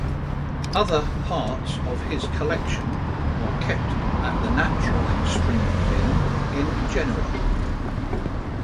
Other parts of his collection are kept at the Natural History Museum in Genoa.